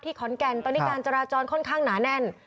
ขอนแก่นตอนนี้การจราจรค่อนข้างหนาแน่น